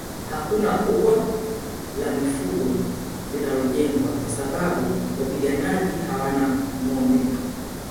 Hakuna ua la mifugo linalojengwa kwa sababu wapiganaji hawana ngombe